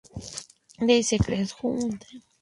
The Secret of Human Thought Revealed".